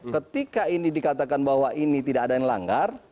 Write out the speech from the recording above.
ketika ini dikatakan bahwa ini tidak ada yang dilanggar